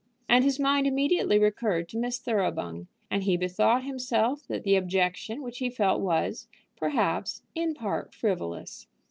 And his mind immediately recurred to Miss Thoroughbung, and he bethought himself that the objection which he felt was, perhaps, in part frivolous.